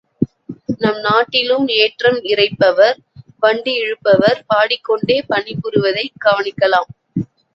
நம் நாட்டிலும் ஏற்றம் இறைப்பவர், வண்டி இழுப்பவர் பாடிக் கொண்டே பணி புரிவதைக் கவனிக்கலாம்.